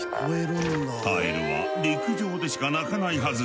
カエルは陸上でしか鳴かないはず。